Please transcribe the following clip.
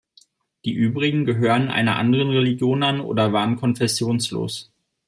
Die Übrigen gehörten einer anderen Religion an oder waren konfessionslos.